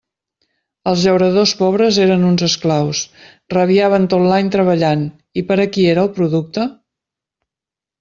Els llauradors pobres eren uns esclaus; rabiaven tot l'any treballant, i per a qui era el producte?